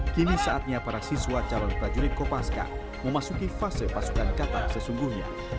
kini saatnya para siswa calon prajurit kopaska memasuki fase pasukan kata sesungguhnya